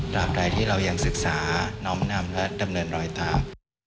ใดที่เรายังศึกษาน้อมนำและดำเนินรอยตาม